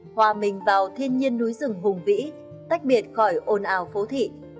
hòa mình vào thiên nhiên núi rừng hùng vĩ tách biệt khỏi ồn ào phố thị